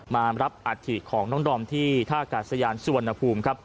มารับอาทิตย์ของน้องดอมที่ธาคาสะยานสุวรรณภูมิ